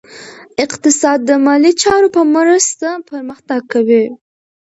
اقتصاد د مالي چارو په مرسته پرمختګ کوي.